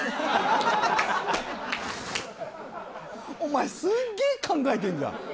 お前すっげぇ考えてんじゃん。